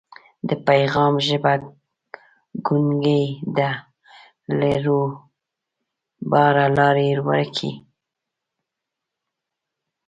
د پیغام ژبه ګونګۍ ده له رویباره لاري ورکي